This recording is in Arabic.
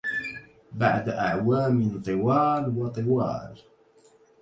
بعد أعوام طوال وطوال